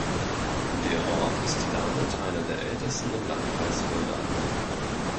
Der Ort ist damit einer der ältesten im Landkreis Fulda.